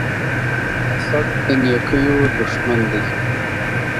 حسد د نيکيو دښمن دی.